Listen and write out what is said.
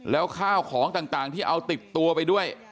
แล้วข้าวของต่างที่เอาติดตัวไปด้วย